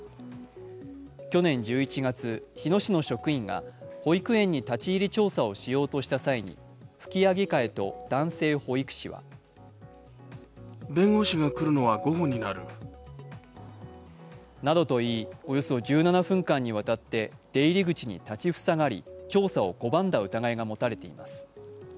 去年１１月、日野市の職員が保育園に立ち入り調査をしようとした際に吹上会と男性保育士はなどと言い、およそ１７分間にわたって出入り口に立ち塞がり、調査を拒んだ疑いが持たれています。